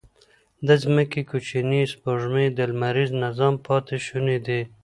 د ځمکې کوچنۍ سپوږمۍ د لمریز نظام پاتې شوني دي.